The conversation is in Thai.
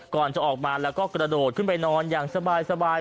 ก่อนจะออกมาแล้วก็กระโดดขึ้นไปนอนอย่างสบาย